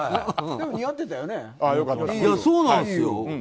そうなんですよ。